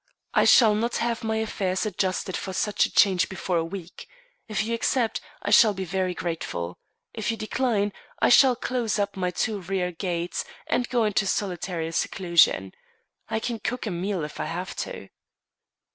"I shall not have my affairs adjusted for such a change before a week. If you accept, I shall be very grateful. If you decline, I shall close up my two rear gates, and go into solitary seclusion. I can cook a meal if I have to."